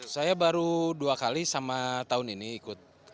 saya baru dua kali sama tahun ini ikut